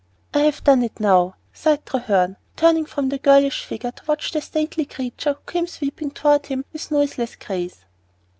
"I have done it now," sighed Treherne, turning from the girlish figure to watch the stately creature who came sweeping toward him with noiseless grace.